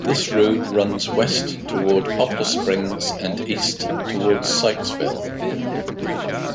This road runs west toward Poplar Springs and east toward Sykesville.